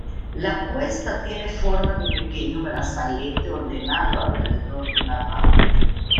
La puesta tiene forma de pequeño brazalete ordenado alrededor de una rama.